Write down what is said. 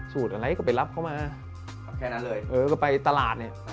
สูตรอะไรก็ไปรับเขามาแค่นั้นเลยเออก็ไปตลาดเนี่ย